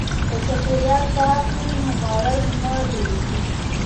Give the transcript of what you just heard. که چاپیریال پاک وي نو مرض نه ډیریږي.